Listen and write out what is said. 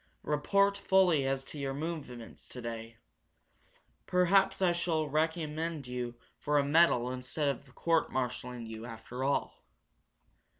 "Report fully as to your movements today. Perhaps I shall recommend you for a metal instead of court marshalling you, after all."